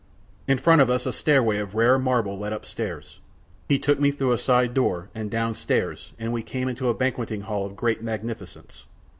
In front of us a stairway of rare marble led upwards, he took me through a side door and downstairs and we came to a banqueting hall of great magnificence.